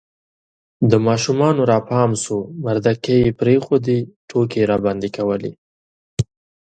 د ماشومانو را پام سو مردکې یې پرېښودې، ټوکې یې راباندې کولې